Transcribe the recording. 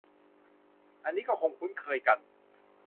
อันนี้คงคุ้นเคยกัน